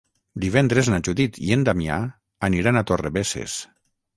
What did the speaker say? Divendres na Judit i en Damià aniran a Torrebesses.